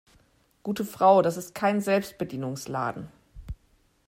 Gute Frau, das ist kein Selbstbedienungsladen.